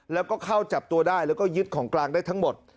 แล้วก็เข้าจับตัวได้แล้วก็ยึดของกลางได้ทั้งหมด